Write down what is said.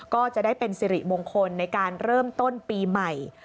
ก็จะได้เป็นสิริมงคลในการเริ่มต้นปีใหม่